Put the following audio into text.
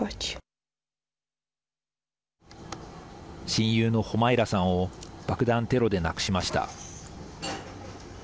親友のホマイラさんを爆弾テロで亡くしました。